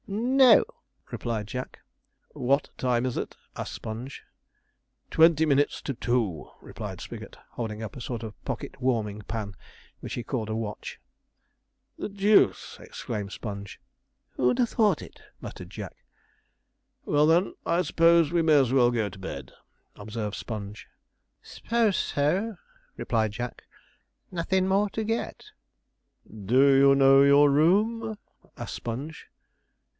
'No,' replied Jack. 'What time is it?' asked Sponge. 'Twenty minutes to two,' replied Spigot, holding up a sort of pocket warming pan, which he called a watch. 'The deuce!' exclaimed Sponge. 'Who'd ha' thought it?' muttered Jack. 'Well, then, I suppose we may as well go to bed,' observed Sponge. 'S'pose so,' replied Jack; 'nothin' more to get.' 'Do you know your room?' asked Sponge.